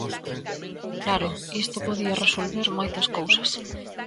Claro, isto podía resolver moitas cousas.